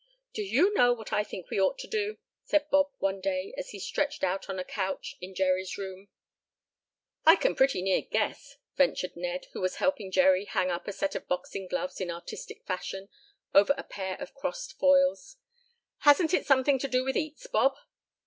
"Do you know what I think we ought to do?" said Bob one day, as he stretched out on a couch in Jerry's room. "I can pretty near guess," ventured Ned, who was helping Jerry hang up a set of boxing gloves in artistic fashion, over a pair of crossed foils. "Hasn't it something to do with eats, Bob?"